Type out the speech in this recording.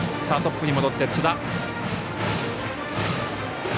トップに戻って津田。